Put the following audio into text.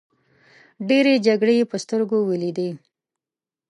ډیرې جګړې په سترګو ولیدې.